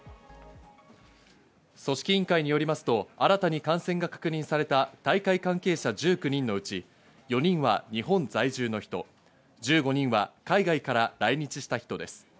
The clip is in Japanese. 組織委員会によりますと新たに感染が確認された大会関係者１９人のうち、４人は日本在住の人、１５人は海外から来日した人です。